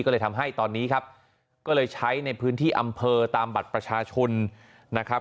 ก็เลยทำให้ตอนนี้ครับก็เลยใช้ในพื้นที่อำเภอตามบัตรประชาชนนะครับ